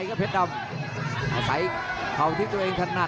อื้อหือจังหวะขวางแล้วพยายามจะเล่นงานด้วยซอกแต่วงใน